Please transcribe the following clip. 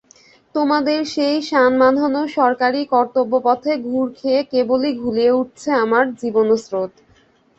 তোমাদের সেই শানবাঁধানো সরকারি কর্তব্যপথে ঘুর খেয়ে কেবলই ঘুলিয়ে উঠছে আমার জীবনস্রোত।